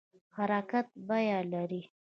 حرکت بیه لري